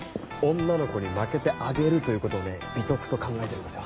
女の子に負けてあげるということをね美徳と考えてるんですよ。